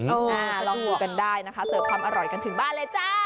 ลองดูกันได้นะคะเสิร์ฟความอร่อยกันถึงบ้านเลยจ้า